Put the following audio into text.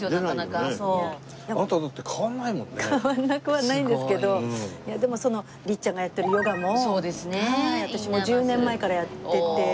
変わらなくはないんですけどでもその律ちゃんがやってるヨガも私も１０年前からやってて。